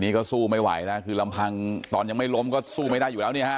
นี่ก็สู้ไม่ไหวแล้วคือลำพังตอนยังไม่ล้มก็สู้ไม่ได้อยู่แล้วเนี่ยฮะ